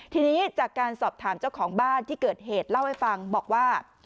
ทีนี้จากการสอบถามเจ้าของบ้านที่เกิดเหตุเล่าให้ฟังบอกว่า